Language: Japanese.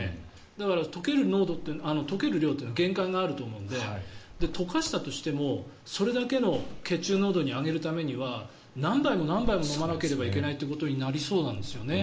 だから溶ける量は限界があると思うのでで、溶かしたとしてもそれだけの血中濃度に上げるためには何杯も何杯も飲まないといけないことになりそうなんですよね。